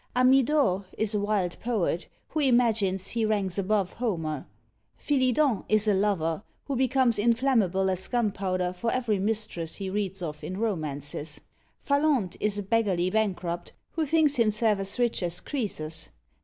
Amidor is a wild poet, who imagines he ranks above Homer. Filidan is a lover, who becomes inflammable as gunpowder for every mistress he reads of in romances. Phalante is a beggarly bankrupt, who thinks himself as rich as Croesus.